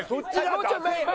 もうちょい前。